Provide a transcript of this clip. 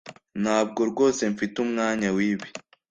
ntabwo rwose mfite umwanya wibi